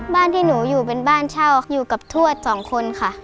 บ้านที่หนูอยู่เป็นบ้านเช่าอยู่กับทวดสองคนค่ะ